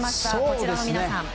こちらの皆さん。